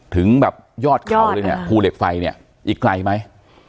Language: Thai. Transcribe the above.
ถึงแบบยอดเขาเลยเนี่ยภูเหล็กไฟเนี่ยอีกไกลไหม